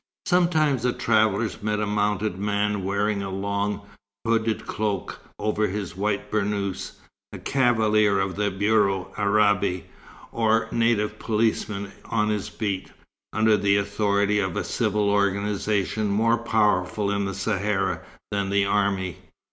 Sometimes the travellers met a mounted man wearing a long, hooded cloak over his white burnous; a cavalier of the Bureau Arabe, or native policeman on his beat, under the authority of a civil organization more powerful in the Sahara than the army.